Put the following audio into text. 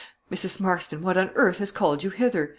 Mrs. Marston what on earth has called you hither?"